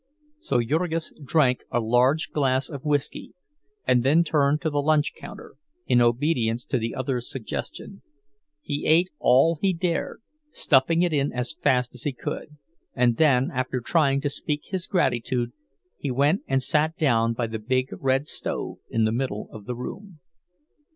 So Jurgis drank a large glass of whisky, and then turned to the lunch counter, in obedience to the other's suggestion. He ate all he dared, stuffing it in as fast as he could; and then, after trying to speak his gratitude, he went and sat down by the big red stove in the middle of the room.